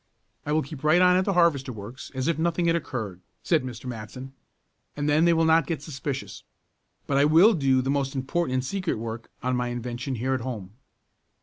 "I will keep right on at the harvester works as if nothing had occurred," said Mr. Matson, "and then they will not get suspicious. But I will do the most important and secret work on my invention here at home."